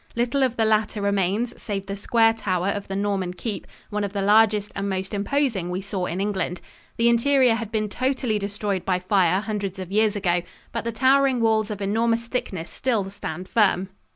Little of the latter remains save the square tower of the Norman keep, one of the largest and most imposing we saw in England. The interior had been totally destroyed by fire hundreds of years ago, but the towering walls of enormous thickness still stand firm.